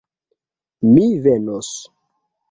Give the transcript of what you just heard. Mi venos.